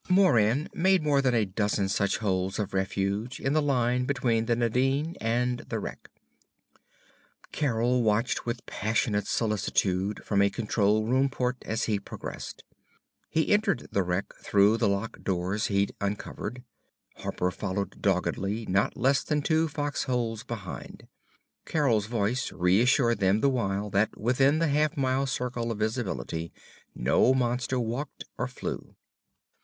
Moran made more than a dozen such holes of refuge in the line between the Nadine and the wreck. Carol watched with passionate solicitude from a control room port as he progressed. He entered the wreck through the lock doors he'd uncovered. Harper followed doggedly, not less than two fox holes behind. Carol's voice reassured them, the while, that within the half mile circle of visibility no monster walked or flew.